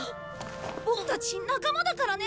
ボクたち仲間だからね！